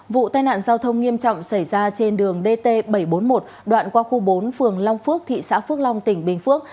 vụ tai nạn giao thông nghiêm trọng xảy ra trên đường dt bảy trăm bốn mươi một đoạn qua khu bốn phường long phước thị xã phước long tỉnh bình phước